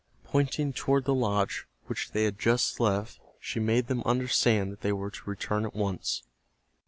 Pointing toward the lodge which they had just left she made them understand that they were to return at once.